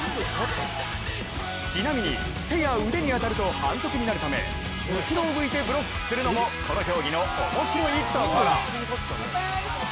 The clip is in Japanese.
ちなみに手や腕に当たると反則になるため後ろを向いてブロックするのもこの競技の面白いところ。